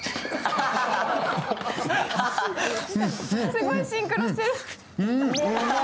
すごいシンクロしてる。